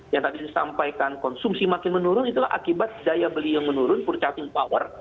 yang tadi disampaikan konsumsi makin menurun itulah akibat daya beli yang menurun purchasing power